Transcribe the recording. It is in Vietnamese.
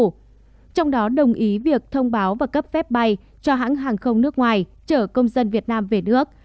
trong đó đồng ý việc thông báo và cấp phép bay cho hãng hàng không nước ngoài chở công dân việt nam về nước